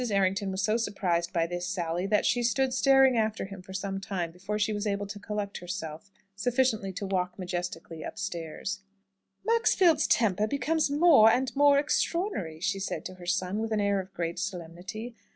Errington was so surprised by this sally, that she stood staring after him for some time before she was able to collect herself sufficiently to walk majestically upstairs. "Maxfield's temper becomes more and more extraordinary," she said to her son, with an air of great solemnity.